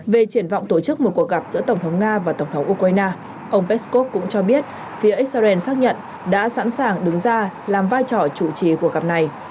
về triển vọng tổ chức một cuộc gặp giữa tổng thống nga và tổng thống ukraine ông peskov cũng cho biết phía israel xác nhận đã sẵn sàng đứng ra làm vai trò chủ trì cuộc gặp này